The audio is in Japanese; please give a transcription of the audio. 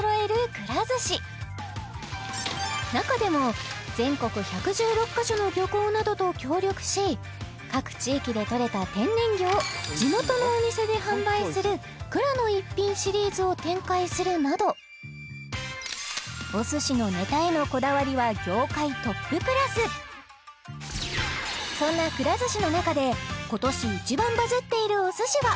くら寿司中でも全国１１６か所の漁港などと協力し各地域でとれた天然魚を地元のお店で販売するくらの逸品シリーズを展開するなどお寿司のネタへのこだわりは業界トップクラスそんなくら寿司の中で今年一番バズっているお寿司は？